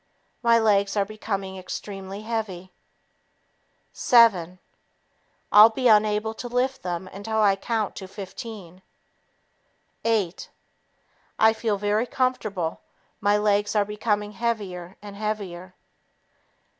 My legs are becoming extremely heavy. Seven ... I'll be unable to lift them until I count to 15. Eight ... I feel very comfortable; my legs are becoming heavier and heavier.